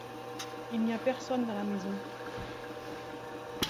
Il n'y a personne dans la maison.